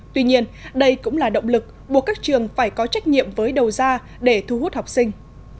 tuy nhiên đây cũng là động lực buộc các trường phải có trách nhiệm với đầu ra để thu hút học sinh